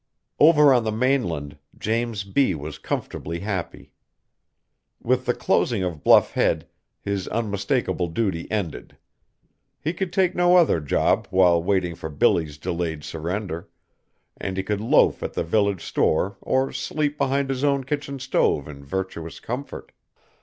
Over on the mainland, James B. was comfortably happy. With the closing of Bluff Head, his unmistakable duty ended. He could take no other job while waiting for Billy's delayed surrender, and he could loaf at the village store or sleep behind his own kitchen stove in virtuous comfort.